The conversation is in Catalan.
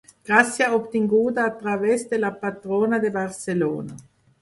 Gràcia obtinguda a través de la patrona de Barcelona.